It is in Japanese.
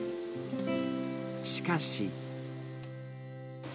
しかし。